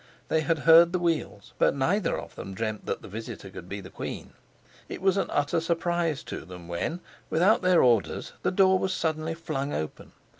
They had heard the wheels, but neither of them dreamt that the visitor could be the queen. It was an utter surprise to them when, without their orders, the door was suddenly flung open.